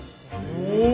お。